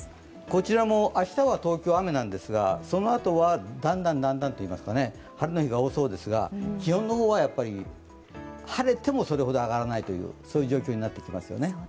こちらも明日は東京は雨なんですが、そのあとはだんだん、晴れの日が多そうですが、気温は晴れてもそれほど上がらないという状況になってきますよね。